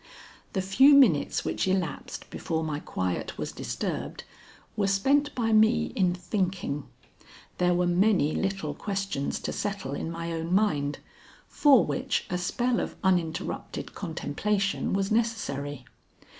The few minutes which elapsed before my quiet was disturbed were spent by me in thinking. There were many little questions to settle in my own mind, for which a spell of uninterrupted contemplation was necessary.